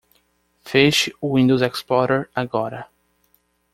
Feche o Windows Explorer agora.